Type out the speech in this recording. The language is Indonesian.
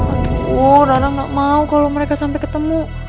aduh nara gak mau kalau mereka sampai ketemu